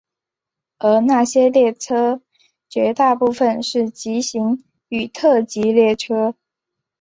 而那些列车绝大部分是急行与特急列车。